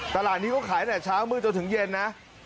ตลาดนี้ก็ขายแต่ช้ามืดตรงถึงเย็นนะ